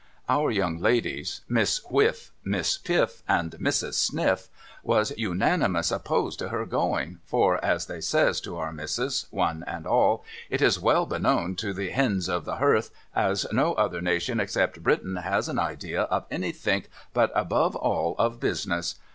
Our young ladies, Miss Whifif, Miss Piff, and Mrs. Sniff, was unanimous opposed to her going ; for, as they says to Our Missis one and all, it is well beknown to the hends of the berth as no other nation except Britain has a idea of anythink, but above all of business.